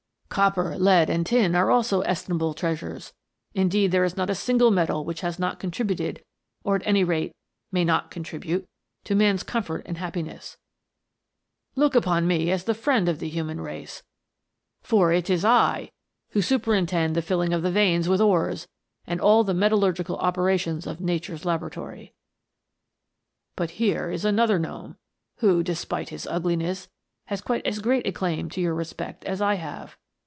" Copper, lead, and tin, are also estimable trea sures ; indeed, there is not a single metal which has not contributed, or at any rate may not con tribute, to man's comfort and happiness. Look upon me as the friend of the human race, for it is I who superintend the filling of the veins with ores, and T 274 THE GNOMES. all the metallurgical operations of nature's labo ratory. But here is another gnome who, despite his ugliness, has quite as great a claim to your re spect as I have.